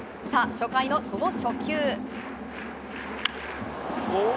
さあ、初回のその初球。